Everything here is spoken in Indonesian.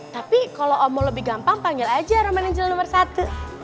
tapi kalau om mau lebih gampang panggil aja roman angel nomor satu